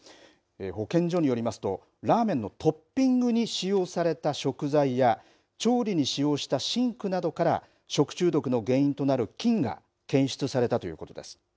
保健所によりますとラーメンのトッピングに使用された食材や調理に使用したシンクなどから食中毒の原因となる菌が検出されたということです。